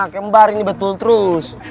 kembar ini betul terus